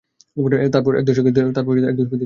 তারপর এক দশকের দীর্ঘ বিরতি।